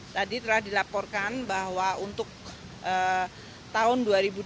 tadi telah dilaporkan bahwa untuk tahun dua ribu dua puluh